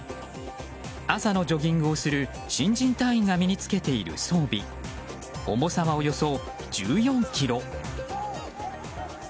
朝のジョギングをする新人隊員が身に着けている装備重さは、およそ１４ｋｇ。